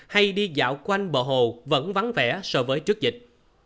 hay đi dạo quanh bờ hồ vẫn vắng vẻ so với trước dịch